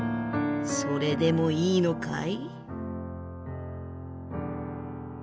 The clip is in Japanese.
それでもいいのかい？」。